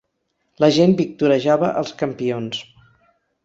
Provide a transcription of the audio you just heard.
La gent victorejava els campions.